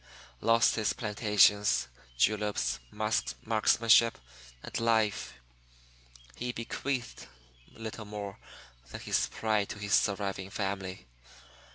V., lost his plantations, juleps, marksmanship, and life. He bequeathed little more than his pride to his surviving family.